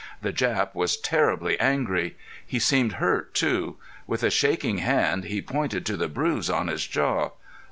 The Jap was terribly angry. He seemed hurt, too. With a shaking hand he pointed to the bruise on his jaw.